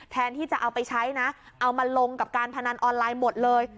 แทนที่จะเอาไปใช้นะเอามาลงกับการพนันออนไลน์หมดเลย